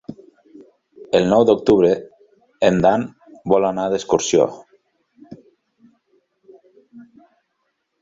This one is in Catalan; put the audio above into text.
El nou d'octubre en Dan vol anar d'excursió.